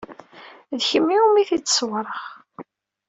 D kemm umi t-id-ssewweɣ.